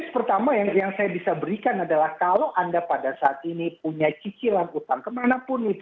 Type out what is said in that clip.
tips pertama yang saya bisa berikan adalah kalau anda pada saat ini punya cicilan utang kemana pun itu